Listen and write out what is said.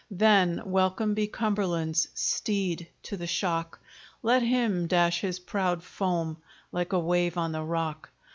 Then welcome be Cumberland's steed to the shock! Let him dash his proud foam like a wave on the rock!